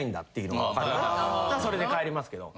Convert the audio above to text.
それで帰りますけど。